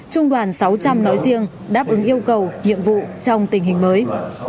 trung đoàn sáu trăm linh nói riêng đáp ứng yêu cầu nhiệm vụ trong tình hình mới